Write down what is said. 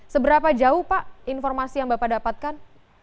seberapa jauh pak informasi yang bapak dapatkan